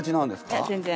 いや全然。